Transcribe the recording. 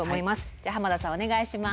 じゃあ濱田さんお願いします。